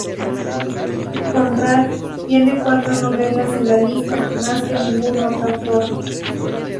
Conrad tiene cuatro novelas en la lista, más que ningún otro autor.